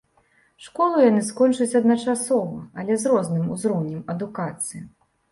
Школу яны скончаць адначасова, але з розным узроўнем адукацыі.